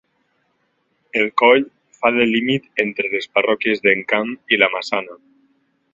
El coll fa de límit entre les parròquies d'Encamp i la Massana.